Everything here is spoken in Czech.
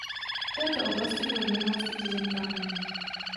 V této oblasti byl v minulosti těžen kámen.